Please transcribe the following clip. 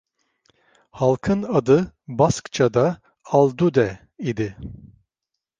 Halkın adı Baskça’da ‘’Aldude’’ idi.